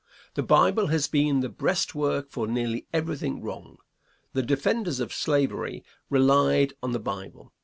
The Bible has been the breastwork for nearly everything wrong. The defenders of slavery relied on the Bible.